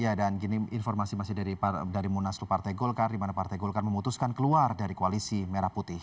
ya dan gini informasi masih dari munaslu partai golkar di mana partai golkar memutuskan keluar dari koalisi merah putih